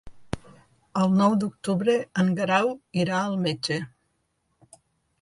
El nou d'octubre en Guerau irà al metge.